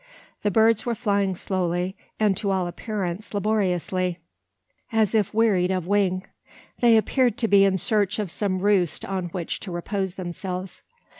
The birds were flying slowly, and to all appearance laboriously: as if wearied of wing. They appeared to be in search of some roost on which to repose themselves.